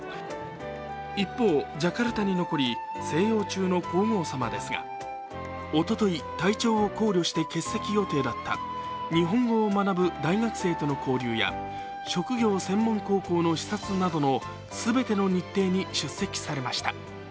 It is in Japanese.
一方、ジャカルタに残り静養中の皇后さまですがおととい、体調を考慮して欠席予定だった日本語を学ぶ大学生との交流や職業専門高校の視察などの全ての日程に出席されました。